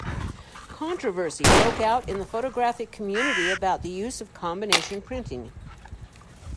Controversy broke out in the photographic community about the use of combination printing.